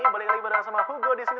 balik lagi bareng sama hugo disini